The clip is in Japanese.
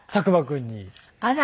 あら。